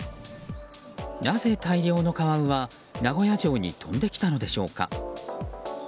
なぜ大量のカワウは名古屋城に飛んできたのでしょうか。